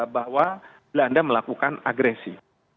bahwa belanda melakukan agresi